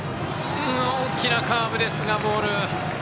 大きなカーブですがボール。